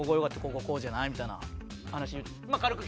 こここうじゃない？」みたいな話軽く聞いた